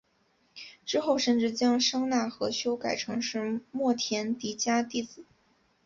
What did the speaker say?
之后甚至将商那和修改成是末田底迦弟子。